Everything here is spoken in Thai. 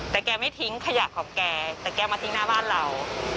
แต่แกไม่ทิ้งขยะของแกแต่แกมาทิ้งหน้าบ้านเรา